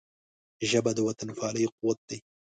ژبه د وطنپالنې قوت دی